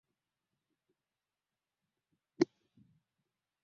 Kila mkoa huwa na wilaya shahrestan na ngazi ya chini zaidi ni mitaa